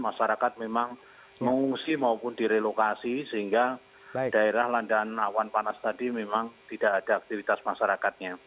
masyarakat memang mengungsi maupun direlokasi sehingga daerah landaan awan panas tadi memang tidak ada aktivitas masyarakatnya